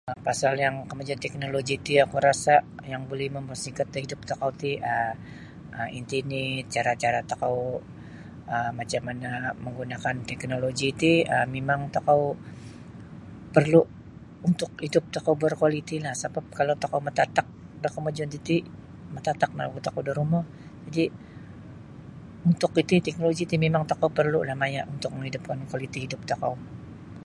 um Pasal yang kamajuan teknologi ti oku rasa yang boleh mapasingkot da hidup tokou ti um internet cara-cara tokou um macam mana manggunakan teknologi ti um mimang tokou perlu untuk hidup tokou berkualitilah sabab kalau tokou matatak da kamajuan titi matatak no gu tokou da rumo jadi untuk iti teknologi ti mimang tokou perlu lah maya untuk menghidupkan kualiti hidup tokou.